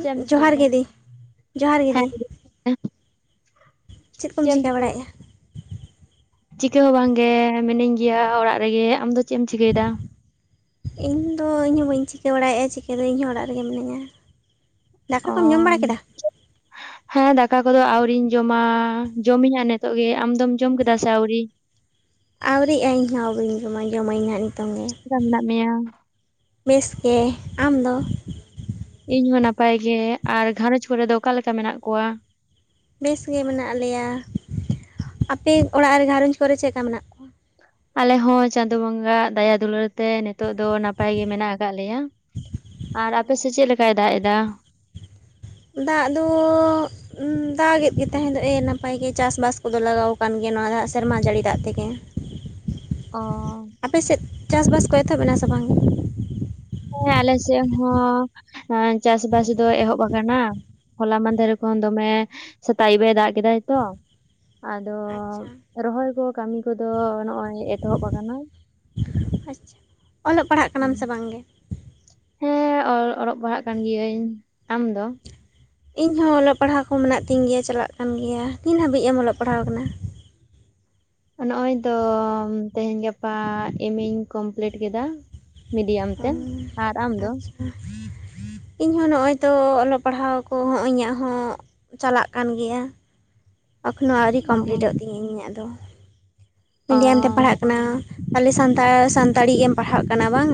ᱪᱮᱫ ᱮᱢ ᱡᱚᱦᱟᱨ ᱪᱤᱠᱟᱹᱭᱫᱟ? ᱜᱮ ᱫᱤ ᱡᱚᱦᱟᱨ ᱜᱮ ᱫᱤ [unintelligible] [unintelligible] ᱪᱮᱫ ᱠᱚᱢ ᱪᱤᱠᱟᱹ ᱵᱟᱲᱟᱭᱮᱫᱼᱟ? ᱪᱤᱠᱟᱹ ᱦᱚᱸ ᱵᱟᱝᱜᱮ ᱢᱤᱱᱟᱹᱧ ᱜᱮᱭᱟ ᱚᱲᱟᱜ ᱨᱮᱜᱮ, ᱟᱢᱫᱚ ᱪᱮᱫ ᱮᱢ ᱪᱤᱠᱟᱹᱭᱮᱫᱟ? ᱤᱧ ᱫᱚ ᱤᱧ ᱦᱚᱸ ᱵᱟᱹᱧ ᱪᱤᱠᱟᱹ ᱵᱟᱲᱟᱭᱮᱫᱼᱟ᱾ ᱪᱤᱠᱟᱹ ᱫᱚ ᱤᱧ ᱦᱚᱸ ᱚᱲᱟᱜ ᱨᱮᱜᱮ ᱢᱤᱱᱟᱹᱧᱟ᱾ ᱫᱟᱠᱟ ᱠᱚᱢ ᱡᱚᱢ ᱵᱟᱲᱟ ᱠᱮᱫᱟ ᱟᱢ ᱦᱮᱸ ᱫᱟᱠᱟ ᱠᱚᱫᱚ ᱟᱣᱨᱤᱧ ᱡᱚᱢᱟ ᱡᱚᱢᱤᱧᱟ ᱱᱤᱛᱚᱜ ᱜᱮ ᱟᱢ ᱫᱚᱢ ᱡᱚᱢ ᱠᱮᱫᱟ ᱥᱮ ᱟᱹᱣᱨᱤ ᱟᱹᱣᱨᱤᱜ ᱟᱹ ᱤᱧᱦᱚᱸ ᱵᱟᱹᱧ ᱡᱚᱢᱟ ᱡᱚᱢᱟᱹᱧ ᱦᱟᱸᱜ ᱱᱤᱛᱚᱝ ᱜᱮ ᱪᱮᱫ ᱞᱮᱠᱟ ᱢᱮᱱᱟᱜ ᱢᱮᱭᱟ ᱵᱮᱥ ᱜᱮ ᱟᱢᱫᱚ? ᱤᱧ ᱦᱚᱸ ᱱᱟᱯᱟᱭ ᱜᱮ ᱟᱨ ᱜᱷᱟᱨᱚᱸᱧᱡᱽ ᱠᱚᱨᱮ ᱫᱚ ᱚᱠᱟᱞᱮ ᱞᱮᱠᱟ ᱢᱮᱱᱟᱜ ᱠᱚᱣᱟ? ᱵᱮᱥ ᱜᱮ ᱢᱮᱱᱟᱜ ᱞᱮᱭᱟ᱾ ᱟᱯᱮ ᱚᱲᱟᱜ ᱨᱮ ᱜᱷᱟᱨᱚᱸᱧᱡᱽ ᱠᱚᱨᱮ ᱪᱮᱫ ᱞᱮᱠᱟ ᱢᱮᱱᱟᱜ ᱠᱚᱣᱟ ᱟᱞᱮ ᱦᱚᱸ ᱪᱟᱸᱫᱳ ᱵᱚᱸᱜ-ᱟᱜ ᱫᱟᱭᱟ ᱫᱩᱞᱟᱹᱲ ᱛᱮ ᱱᱤᱛᱚᱜ ᱫᱚ ᱱᱟᱯᱟᱭ ᱜᱮ ᱢᱮᱱᱟᱜ ᱟᱠᱟᱫ ᱞᱮᱭᱟ᱾ ᱟᱨ ᱟᱯᱮᱥᱮᱫ ᱪᱮᱫ ᱞᱮᱠᱟᱭ ᱫᱟᱜ ᱮᱫᱟ? ᱫᱟᱜ ᱫᱚ ᱫᱟᱜᱮᱫ ᱜᱮ ᱛᱟᱦᱮᱸ ᱫᱚ ᱮ ᱱᱟᱯᱟᱭ ᱜᱮ ᱪᱟᱥᱵᱟᱥ ᱠᱚᱫᱚ ᱞᱟᱜᱟᱣ ᱟᱠᱟᱱ ᱜᱮᱭᱟ ᱱᱚᱣᱟ ᱥᱮᱨᱢᱟ ᱡᱟᱹᱲᱤ ᱫᱟᱜ ᱛᱮᱜᱮ᱾ ᱚ ᱟᱯᱮ ᱥᱮᱫ ᱪᱟᱥ ᱵᱟᱥ ᱠᱚ ᱮᱛᱚᱦᱚᱵ ᱮᱱᱟ ᱥᱮ ᱵᱟᱝ? ᱦᱮᱸ ᱟᱞᱮ ᱥᱮᱫ ᱦᱚᱸ ᱪᱟᱥ ᱵᱟᱥ ᱫᱚ ᱮᱦᱚᱵ ᱟᱠᱟᱱᱟ᱾ ᱦᱚᱞᱟ ᱢᱟᱦᱫᱷᱮᱨ ᱠᱷᱚᱱ ᱫᱚᱢᱮ ᱥᱮᱛᱟᱜ ᱟᱭᱩᱵᱽ ᱮ ᱫᱟᱜ ᱠᱮᱫᱟᱭ ᱛᱚ᱾ ᱟᱫᱚ ᱟᱪᱪᱷᱟ ᱨᱚᱦᱚᱭ ᱠᱚ ᱠᱟᱹᱢᱤ ᱠᱚᱫᱚ ᱱᱚᱜᱼᱚᱭ ᱮᱛᱚᱦᱚᱵ ᱟᱠᱟᱱᱟ᱾ ᱟᱪᱪᱷᱟ ᱚᱞᱚᱜ ᱯᱟᱲᱦᱟᱜ ᱠᱟᱱᱟᱢ ᱥᱮ ᱵᱟᱝᱜᱮ ᱦᱮᱸ ᱚᱞᱚᱜ ᱯᱟᱲᱦᱟᱜ ᱠᱟᱱ ᱜᱤᱭᱟᱹᱧ, ᱟᱢ ᱫᱚ? ᱤᱧ ᱦᱚᱸ ᱚᱞᱚᱜ ᱯᱟᱲᱦᱟᱣ ᱠᱚ ᱢᱮᱱᱟᱜ ᱛᱤᱧ ᱜᱮᱭᱟ, ᱪᱟᱞᱟᱜ ᱠᱟᱱ ᱜᱮᱭᱟ᱾ ᱛᱤᱱ ᱦᱟᱹᱵᱤᱡ ᱮᱢ ᱚᱞᱚᱜ ᱯᱟᱲᱦᱟᱣ ᱟᱠᱟᱱᱟ? ᱱᱚᱜ-ᱚᱭ ᱛᱚ ᱛᱮᱦᱮᱧ ᱜᱟᱯᱟ ᱮᱢᱮᱧ ᱠᱚᱢᱯᱤᱞᱴ ᱠᱮᱫᱟ᱾ ᱢᱤᱰᱤᱭᱟᱢ ᱛᱮ ᱟᱨ ᱟᱢ ᱫᱚ? ᱦᱮᱸ ᱤᱧᱦᱚᱸ ᱱᱚᱜᱼᱚᱭ ᱛᱚ ᱚᱞᱚᱜ ᱯᱟᱲᱦᱟᱣ ᱠᱚᱦᱚᱸ ᱤᱧᱟᱹᱜ ᱦᱚᱸ ᱪᱟᱞᱟᱜ ᱠᱟᱱ ᱜᱮᱭᱟ᱾ ᱮᱠᱷᱚᱱᱚ ᱟᱹᱣᱨᱤ ᱚ ᱠᱚᱢᱯᱞᱤᱴᱚᱜ ᱛᱤᱧᱟᱹ ᱤᱧᱟᱹᱜ ᱫᱚ᱾ ᱚ ᱢᱤᱰᱤᱭᱟᱢ ᱛᱮᱢ ᱯᱟᱲᱦᱟᱜ ᱠᱟᱱᱟ ᱛᱟᱦᱚᱞᱮ ᱥᱟᱱᱛᱟᱲ ᱥᱟᱱᱛᱟᱲᱤ ᱜᱮᱢ ᱯᱟᱲᱦᱟᱜ ᱠᱟᱱᱟ ᱵᱟᱝ᱾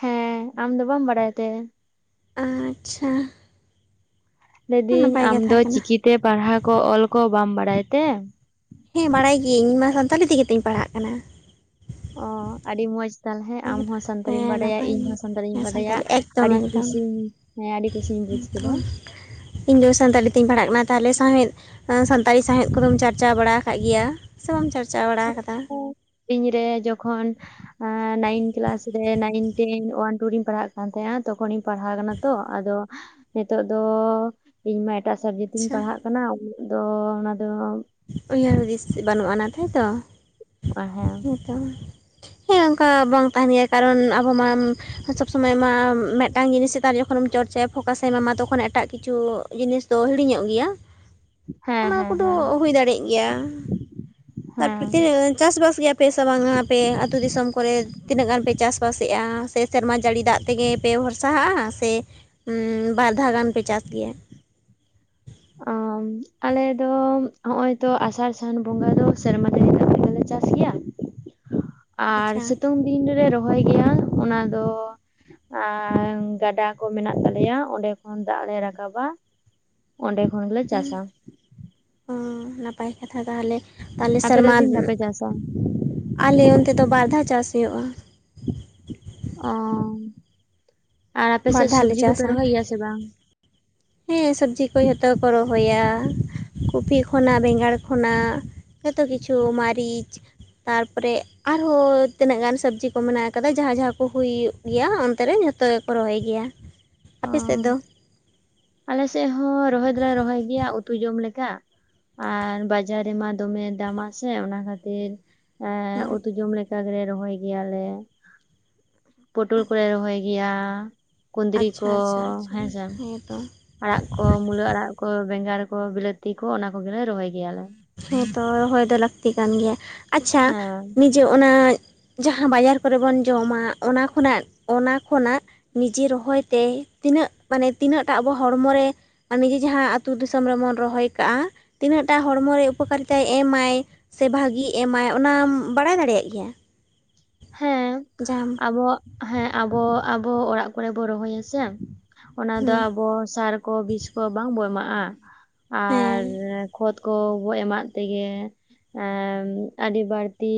ᱦᱮᱸ ᱟᱢ ᱫᱚ ᱵᱟᱢ ᱵᱟᱲᱟᱭ ᱛᱮ? ᱟᱪᱪᱷᱟ, ᱞᱟᱹᱭᱫᱤᱧ ᱱᱟᱯᱟᱭ ᱟᱢ ᱠᱟᱛᱷᱟ ᱫᱚ ᱠᱟᱱᱟ ᱪᱤᱠᱤᱛᱮ ᱯᱟᱲᱦᱟᱣ ᱠᱚ ᱚᱞ ᱠᱚ ᱵᱟᱢ ᱵᱟᱲᱟᱭ ᱛᱮ ᱦᱮᱸ ᱵᱟᱲᱟᱭ ᱜᱤᱭᱟᱹᱧ ᱤᱧ ᱢᱟ ᱥᱟᱱᱛᱟᱲᱤ ᱛᱮᱜᱮ ᱛᱤᱧ ᱯᱟᱲᱦᱟᱜ ᱠᱟᱱᱟ ᱚ ᱟᱹᱰᱤ ᱢᱚᱡᱽ ᱛᱟᱞᱦᱮ ᱱᱟᱯᱟᱭ ᱠᱟᱛᱷᱟ ᱟᱢᱦᱚᱸ ᱥᱟᱱᱛᱟᱲᱤᱢ ᱦᱮᱸ ᱵᱟᱰᱟᱭᱟ ᱱᱟᱯᱟᱭ ᱤᱧ ᱦᱚᱸ ᱥᱟᱱᱛᱟᱲᱤᱧ ᱦᱮᱸ ᱵᱟᱰᱟᱭᱟ ᱥᱟᱱᱛᱟᱞᱤ ᱮᱠᱫᱚᱢ ᱟᱹᱰᱤ ᱮᱠᱫᱚᱢ ᱠᱩᱥᱤᱧ ᱦᱮᱸ ᱟᱹᱰᱤ ᱠᱩᱥᱤᱧ ᱵᱩᱡ ᱛᱚ ᱠᱮᱫᱟ ᱤᱧ ᱫᱚ ᱥᱟᱱᱛᱟᱞᱤ ᱛᱤᱧ ᱯᱟᱲᱦᱟᱜ ᱠᱟᱱᱟ ᱛᱟᱦᱞᱮ ᱥᱟᱶᱦᱮᱫ ᱥᱟᱱᱛᱟᱲᱤ ᱥᱟᱶᱦᱮᱫ ᱠᱚᱫᱚᱢ ᱪᱟ ᱪᱟᱨᱪᱟᱣ ᱵᱟᱲᱟ ᱟᱠᱟᱫ ᱜᱮᱭᱟ ᱥᱮ ᱵᱟᱢ ᱪᱟᱨᱪᱟᱣ ᱵᱟᱲᱟ ᱟᱠᱟᱫᱟ᱾ ᱤᱧᱨᱮ ᱡᱚᱠᱷᱚᱱ ᱱᱟᱭᱤᱱ ᱠᱮᱞᱟᱥ ᱨᱮ ᱱᱟᱭᱤᱱ ᱴᱮᱱ ᱳᱣᱟᱱ ᱴᱩᱨ ᱨᱤᱧ ᱯᱟᱲᱦᱟᱜ ᱠᱟᱱ ᱛᱟᱦᱮᱸᱦᱱᱟ ᱛᱚᱠᱷᱚᱱᱤᱧ ᱯᱟᱲᱦᱟᱣ ᱟᱠᱟᱱᱟ ᱛᱚ ᱟᱫᱚ ᱱᱤᱛᱚᱜ ᱫᱚ ᱤᱧ ᱢᱟ ᱮᱴᱟᱜ ᱥᱟᱵᱽᱡᱮᱠᱴ ᱛᱤᱧ ᱟᱪᱪᱷᱟ ᱯᱟᱲᱦᱟᱜ ᱠᱟᱱᱟ ᱠᱟᱱᱟᱢ ᱫᱚ ᱚᱱᱟ ᱫᱚ ᱩᱭᱦᱟᱹᱨ ᱦᱩᱫᱤᱥ ᱵᱟᱹᱱᱩᱜ ᱟᱱᱟ, ᱛᱟᱭᱛᱚ ᱦᱮᱸ ᱦᱮᱸᱛᱚ᱾ ᱦᱮᱸ ᱚᱝᱠᱟ ᱵᱟᱝ ᱛᱟᱦᱮᱱ ᱜᱮᱭᱟ ᱠᱟᱨᱚᱱ ᱟᱵᱚ ᱢᱟ ᱥᱚᱵᱽ ᱥᱚᱢᱚᱭ ᱢᱟ ᱢᱤᱫᱴᱟᱝ ᱡᱤᱱᱤᱥ ᱱᱮᱛᱟᱨ ᱡᱚᱠᱷᱚᱱᱮᱢ ᱪᱚᱨᱪᱟᱭᱟ ᱯᱷᱳᱠᱟᱥᱮᱢ ᱮᱢᱟᱢᱟ ᱛᱚᱠᱷᱚᱱ ᱮᱴᱟᱜ ᱠᱤᱪᱷᱩ ᱡᱤᱱᱤᱥ ᱫᱚ ᱦᱤᱲᱤᱧᱚᱜ ᱜᱮᱭᱟ ᱦᱮᱸ ᱚᱱᱟ ᱦᱮᱸ ᱦᱮᱸ ᱠᱚᱫᱚ ᱦᱩᱭ ᱫᱟᱲᱮᱭᱟᱜ ᱜᱮᱭᱟ ᱦᱮᱸ ᱛᱟᱨᱯᱚᱨᱮ ᱛᱤᱱᱟᱹᱜ ᱪᱟᱥᱵᱟᱥ ᱜᱮᱭᱟ ᱟᱯᱮ ᱥᱮ ᱵᱟᱝ ᱟᱯᱮ ᱟ ᱟᱹᱛᱩᱳ ᱫᱤᱥᱚᱢ ᱠᱚᱨᱮ ᱛᱤᱱᱟᱹᱜ ᱜᱟᱱ ᱯᱮ ᱪᱟᱥᱵᱥᱮᱫᱼᱟ ᱥᱮ ᱥᱮᱨᱢᱟ ᱡᱟᱹᱲᱤ ᱫᱟᱜ ᱛᱮᱜᱮ ᱯᱮ ᱵᱷᱚᱨᱥᱟᱦᱟᱜᱼᱟ ᱥᱮ ᱵᱟᱨ ᱫᱷᱟᱣ ᱜᱟᱱ ᱯᱮ ᱪᱟᱥ ᱜᱮᱭᱟ ᱟᱞᱮ ᱫᱚ ᱦᱚᱸᱜ-ᱚᱚᱭ ᱛᱚ ᱟᱥᱟᱲ ᱥᱟᱱ ᱵᱚᱸᱜᱟ ᱫᱚ ᱥᱮᱨᱢᱟ ᱫᱤᱱ ᱦᱤᱞᱳᱜ ᱜᱮᱜᱞᱮ ᱪᱟᱥ ᱜᱮᱭᱟ ᱦ ᱟᱨ ᱥᱤᱛᱩᱝ ᱫᱤᱱ ᱨᱮᱞᱮ ᱨᱚᱦᱚᱭ ᱜᱮᱭᱟ ᱚᱱᱟ ᱫᱚ ᱟᱨ ᱜᱟᱰᱟ ᱠᱚ ᱢᱮᱱᱟᱜ ᱛᱟᱞᱮᱭᱟ ᱚᱸᱰᱮ ᱠᱷᱚᱱ ᱫᱟᱜ ᱞᱮ ᱨᱟᱠᱟᱵᱟ ᱚᱸᱰᱮ ᱠᱷᱚᱱ ᱜᱮᱞᱮ ᱪᱟᱥᱟ ᱚ ᱱᱟᱯᱟᱭ ᱠᱟᱛᱷᱟ ᱛᱟᱦᱞᱮ ᱛᱟᱦᱞᱮ ᱟᱯᱮ ᱫᱚ ᱥᱮᱨᱢᱟ ᱛᱤᱱ ᱫᱷᱟᱣ ᱯᱮ ᱪᱟᱥᱟ ᱟᱞᱮ ᱚᱱᱛᱮ ᱫᱚ ᱵᱟᱨ ᱫᱷᱟᱣ ᱪᱟᱥ ᱦᱩᱭᱩᱜᱼᱟ ᱚ, ᱟᱨ ᱟᱯᱮ ᱵᱟᱨ ᱥᱮᱡ ᱫᱷᱟᱣ ᱞᱮ ᱥᱚᱵᱡᱤ ᱠᱚᱯᱮ ᱪᱟᱥᱟ ᱨᱚᱦᱚᱭ ᱜᱮᱭᱟ ᱥᱮ ᱵᱟᱝ ᱦᱮᱸ ᱥᱚᱵᱽᱡᱤ ᱠᱚ ᱡᱷᱚᱛᱚ ᱠᱚ ᱨᱚᱦᱚᱭᱟ ᱠᱚᱯᱤ ᱠᱷᱚᱱᱟᱜ ᱵᱮᱸᱜᱟᱲ ᱠᱷᱚᱱᱟᱜ ᱡᱚᱛᱚ ᱠᱤᱪᱷᱩ ᱢᱟᱹᱨᱤᱪ ᱛᱟᱨᱯᱚᱨᱮ ᱟᱨᱦᱚᱸ ᱛᱤᱱᱟᱹᱜ ᱜᱟᱱ ᱥᱚᱵᱽᱡᱤ ᱠᱚ ᱢᱮᱱᱟᱜ ᱠᱟᱫᱟ ᱡᱟᱦᱟᱸ ᱡᱟᱦᱟᱸ ᱠᱚ ᱦᱩᱭ ᱜᱮᱭᱟ ᱚᱱᱛᱮ ᱨᱮ ᱡᱷᱚᱛᱚ ᱜᱮᱠᱚ ᱨᱚᱦᱚᱭ ᱜᱮᱭᱟ ᱚ ᱟᱯᱮ ᱥᱮᱫ ᱫᱚ ᱟᱞᱮ ᱥᱮᱫ ᱦᱚᱸ ᱨᱚᱦᱚᱭ ᱫᱚᱞᱮ ᱨᱚᱦᱚᱭ ᱜᱮᱭᱟ ᱩᱛᱩ ᱡᱚᱢ ᱞᱮᱠᱟ ᱟᱨ ᱵᱟᱡᱟᱨ ᱨᱮᱢᱟ ᱫᱚᱢᱮ ᱫᱟᱢᱟ ᱥᱮ ᱚᱱᱟ ᱠᱷᱟᱹᱛᱤᱨ ᱮᱸᱻ ᱦᱮᱸ ᱩᱛᱩ ᱡᱚᱢ ᱞᱮᱠᱟ ᱫᱚᱞᱮ ᱨᱚᱦᱚᱭ ᱜᱮᱭᱟᱞᱮ ᱯᱚᱴᱚᱞ ᱠᱚᱞᱮ ᱨᱚᱦᱚᱭ ᱜᱮᱭᱟ ᱠᱩᱸᱫᱽᱨᱤ ᱠᱚ ᱟᱪᱪᱷᱟ ᱟᱪᱪᱷᱟ ᱦᱮᱸ ᱦᱮᱸᱥᱮ ᱛᱚ ᱟᱲᱟᱜ ᱠᱚ ᱢᱩᱞᱟᱹ ᱟᱲᱟᱜ ᱠᱚ ᱵᱮᱸᱜᱟᱲ ᱠᱚ ᱵᱤᱞᱟᱹᱛᱤ ᱠᱚ ᱚᱱᱟ ᱠᱚᱜᱮᱞᱮ ᱨᱚᱦᱚᱭ ᱜᱮᱭᱟᱞᱮ ᱦᱮᱸᱛᱚ ᱨᱚᱦᱚᱭ ᱫᱚ ᱞᱟᱹᱠᱛᱤ ᱠᱟᱱ ᱜᱮᱭᱟ ᱟᱪᱪᱷᱟ ᱦᱮᱸ ᱱᱤᱡᱮ ᱚᱱᱟ ᱡᱟᱦᱟᱸ ᱵᱟᱡᱟᱨ ᱠᱚᱨᱮ ᱵᱚᱱ ᱡᱚᱢᱟ ᱚᱱᱟ ᱠᱷᱚᱱᱟᱜ ᱚᱱᱟ ᱠᱷᱚᱱᱟᱜ ᱱᱤᱡᱮ ᱨᱚᱦᱚᱭ ᱛᱮ ᱛᱤᱱᱟᱹᱜ ᱢᱟᱱᱮ ᱛᱤᱱᱟᱹᱜᱴᱟᱜ ᱟᱵᱚ ᱦᱚᱲᱢᱚ ᱨᱮ ᱟᱨ ᱱᱤᱡᱮ ᱡᱟᱦᱟᱸ ᱟᱛᱳ ᱫᱤᱥᱚᱢ ᱨᱮᱵᱚᱱ ᱨᱚᱦᱚᱭ ᱠᱟᱜᱼᱟ ᱛᱤᱱᱟᱹᱜᱴᱟ ᱦᱚᱲᱢᱚ ᱨᱮ ᱩᱯᱚᱠᱟᱨᱤᱛᱟᱭ ᱮᱢᱟᱭ ᱥᱮ ᱵᱷᱟᱜᱤᱭ ᱮᱢᱟᱭ ᱚᱱᱟᱢ ᱵᱟᱲᱟᱭ ᱫᱟᱲᱮᱭᱟᱜ ᱜᱮᱭᱟ ᱦᱮᱸ ᱡᱟᱢ ᱟᱵᱚᱣᱟᱜ, ᱦᱮᱸ ᱟᱵᱚ ᱟᱵᱚ ᱟᱲᱟᱜ ᱠᱚᱨᱮ ᱵᱚ ᱨᱚᱦᱚᱭᱟ ᱥᱮ ᱚᱱᱟ ᱫᱚ ᱦᱩᱸ ᱟᱵᱚ ᱥᱟᱨ ᱵᱤᱥ ᱠᱚ ᱵᱟᱝ ᱵᱚ ᱮᱢᱟᱜᱼᱟ ᱟᱨ ᱦᱮᱸ ᱠᱷᱚᱛ ᱠᱚ ᱜᱚᱡ ᱮᱢᱟᱜ ᱛᱮᱜᱮ ᱮᱸᱻ ᱟᱹᱰᱤ ᱵᱟᱹᱲᱛᱤ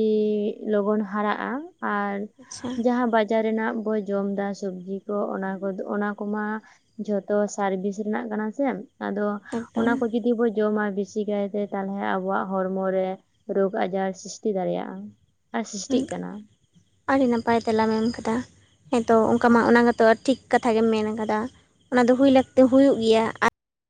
ᱞᱚᱜᱚᱱ ᱦᱟᱨᱟᱜᱼᱟ ᱟᱨ ᱟᱪᱪᱷᱟ ᱡᱟᱦᱟᱸ ᱵᱟᱲ ᱪᱟ ᱨᱮᱱᱟᱜ ᱵᱚ ᱡᱚᱢ ᱮᱫᱟ ᱥᱚᱵᱽᱡᱤ ᱠᱚ ᱚᱱᱟ ᱠᱚ ᱚᱱᱟ ᱠᱚᱢᱟ ᱡᱷᱚᱛᱚ ᱥᱟᱨᱵᱷᱤᱥ ᱨᱮᱱᱟᱜ ᱠᱟᱱᱟ ᱥᱮ ᱟᱫᱚ ᱚᱱᱟ ᱮᱠᱫᱚᱢ ᱠᱚ ᱡᱩᱫᱤ ᱵᱚ ᱡᱚᱢᱟ ᱵᱤᱥᱤ ᱠᱟᱭᱛᱮ ᱛᱟᱦᱚᱞᱮ ᱟᱵᱚᱣᱟᱜ ᱦᱚᱲᱢᱚᱨᱮ ᱨᱳᱜᱽ ᱟᱡᱟᱨ ᱥᱨᱤᱥᱴᱤ ᱫᱟᱲᱮᱭᱟᱜᱼᱟ ᱟᱨ ᱦᱩᱸ ᱥᱤᱥᱴᱤᱜ ᱠᱟᱱᱟ᱾ ᱟᱹᱰᱤ ᱱᱟᱯᱟᱭ ᱛᱮᱞᱟᱢ ᱮᱢ ᱠᱟᱫᱟ [inaudible] ᱦᱮᱸᱛᱚ ᱚᱝᱠᱟ ᱢᱟ ᱚᱱᱟ ᱢᱟᱛᱚ ᱴᱷᱤᱠ᱾ ᱠᱟᱛᱷᱟ ᱜᱮᱢ ᱢᱮᱱ ᱟᱠᱟᱫᱟ ᱚᱱᱟ ᱫᱚ ᱦᱩᱭ ᱞᱟᱹᱠᱛᱤ ᱦᱩᱭᱩᱜ ᱜᱤᱭᱟ᱾ᱟᱨ